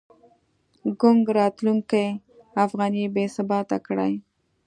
ګونګ راتلونکی افغانۍ بې ثباته کړې.